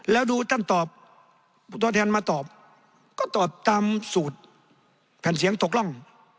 แล้วดูท่านตอบตัวแทนมาตอบก็ตอบตามสูตรแผ่นเสียงตกร่อง